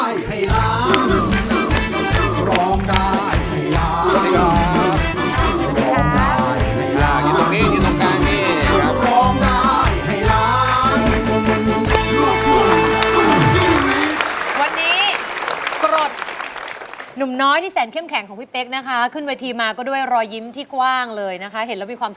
อยู่ตรงนี้อยู่ตรงการ